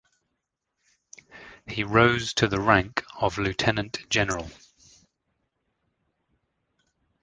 He rose to the rank of Lieutenant-General.